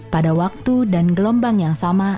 pada waktu dan gelombang yang sama